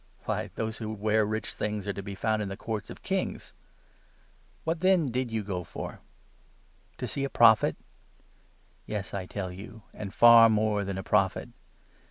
Why, those who wear rich things are to be found in the courts of kings ! What, then, did you go for ? To see a Prophet ? Yes, I tell 9 you, and far more than a Prophet.